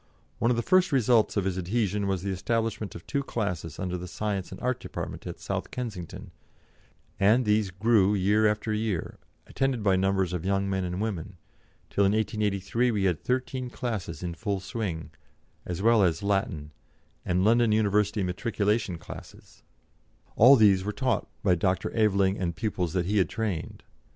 One of the first results of his adhesion was the establishment of two classes under the Science and Art Department at South Kensington, and these grew year after year, attended by numbers of young men and women, till in 1883 we had thirteen classes in full swing, as well as Latin, and London University Matriculation classes; all these were taught by Dr. Aveling and pupils that he had trained.